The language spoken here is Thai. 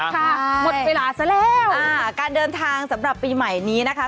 หมดเวลาซะแล้วอ่าการเดินทางสำหรับปีใหม่นี้นะคะ